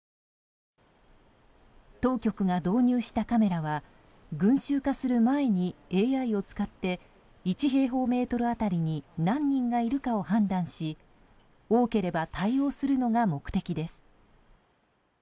当局が導入したカメラは群衆化する前にＡＩを使って１平方メートル当たりに何人がいるかを判断し多ければ対応するのが目的です。